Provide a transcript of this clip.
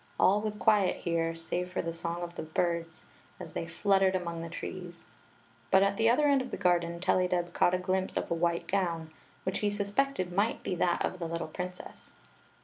All was quiet here, save for the song of the birds as they fluttered among the trees ; but at the other end of the garden Tellydeb caught a glimpse of a white gown, which he suspected might be that of the little princess.